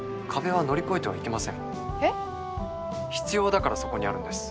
必要だからそこにあるんです。